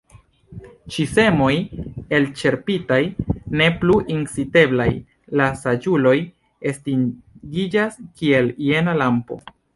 Ĉi semoj elĉerpitaj, ne plu inciteblaj, la saĝuloj estingiĝas kiel jena lampo.